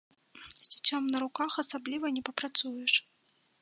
З дзіцём на руках асабліва не папрацуеш.